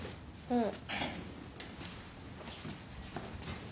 うん。